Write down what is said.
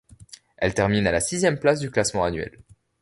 Elle termine à la sixième place du classement annuel.